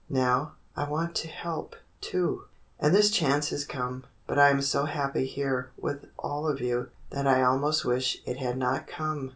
Now, I want to help, too. And this chance has come. But I am so happy here with all of you that I almost wish it had not come.